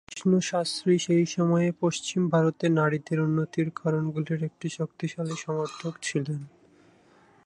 বিষ্ণু শাস্ত্রী সেই সময়ে পশ্চিম ভারতে নারীদের উন্নতির কারণগুলির একটি শক্তিশালী সমর্থক ছিলেন।